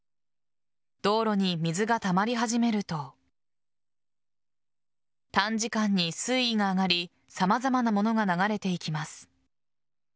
道路に水がたまり始めると短時間に水位が上がり様々なものが流れていきます。